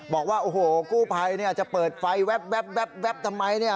บอกว่าโอ้โหกู้ภัยจะเปิดไฟแว๊บทำไมเนี่ย